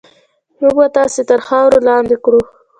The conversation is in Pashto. موږ به تاسې تر خاورو لاندې کړو.